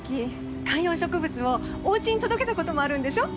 観葉植物をおうちに届けたこともあるんでしょ？